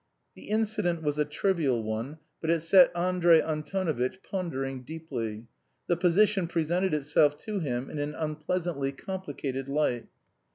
The incident was a trivial one, but it set Andrey Antonovitch pondering deeply. The position presented itself to him in an unpleasantly complicated light.